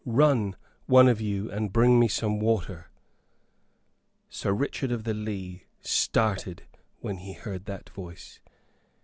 "Run, one of you, and bring me some water." Sir Richard of the Lee started when he heard that voice.